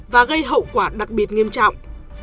và gây hậu quả đặc biệt nghiêm trọng